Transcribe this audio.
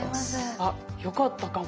あよかったかも。